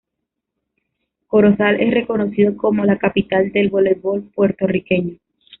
Corozal es reconocido como la capital del voleibol puertorriqueño.